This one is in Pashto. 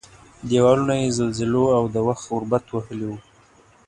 دېوالونه یې زلزلو او د وخت غربت وهلي وو.